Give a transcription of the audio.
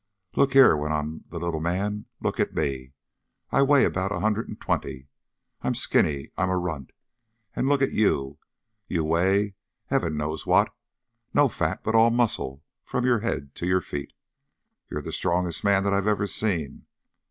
"Look here!" went on the little man. "Look at me. I weigh about a hundred and twenty. I'm skinny. I'm a runt. And look at you. You weigh heaven knows what! No fat, but all muscle from your head to your feet. You're the strongest man that I've ever seen.